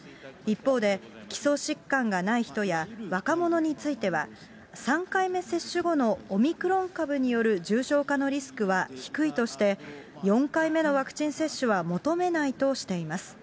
一方で、基礎疾患がない人や、若者については、３回目接種後のオミクロン株による重症化のリスクは低いとして、４回目のワクチン接種は求めないとしています。